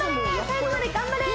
最後まで頑張れ！